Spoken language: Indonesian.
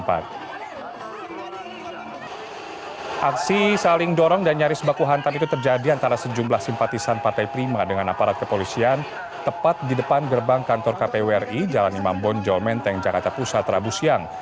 aksi saling dorong dan nyaris baku hantam itu terjadi antara sejumlah simpatisan partai prima dengan aparat kepolisian tepat di depan gerbang kantor kpu ri jalan imam bonjol menteng jakarta pusat rabu siang